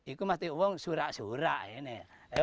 itu mesti lek ganteng ganteng surak surak